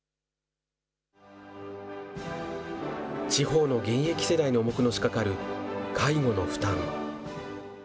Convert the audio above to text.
地方の現役世代に重くのしかかる介護の負担。